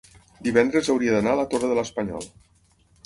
divendres hauria d'anar a la Torre de l'Espanyol.